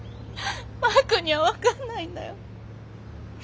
まーくんには分かんないんだよ。